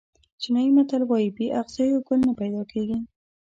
چینایي متل وایي بې اغزیو ګل نه پیدا کېږي.